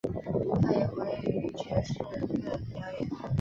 他也活跃于爵士乐表演。